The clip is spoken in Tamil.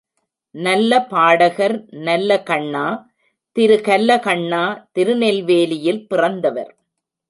நல்ல பாடகர் நல்லகண்ணா திரு கல்லகண்ணா திருநெல்வேலியில் பிறந்தவர்.